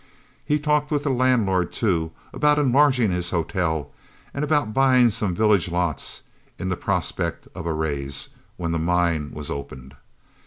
He talked with the landlord, too, about enlarging his hotel, and about buying some village lots, in the prospect of a rise, when the mine was opened.